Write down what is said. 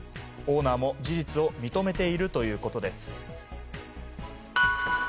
オーナーも事実を認めているということです。